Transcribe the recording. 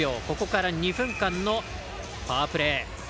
ここから２分間のパワープレー。